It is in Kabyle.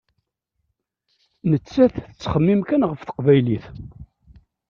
Nettat tettxemmim kan ɣef teqbaylit.